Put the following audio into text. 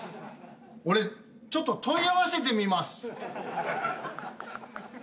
俺ちょっと問い合わせてみます。